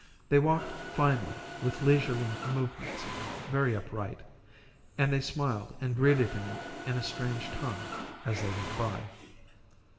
They walked finely, with leisurely movements, very upright; and they smiled and greeted him in a strange tongue as they went by.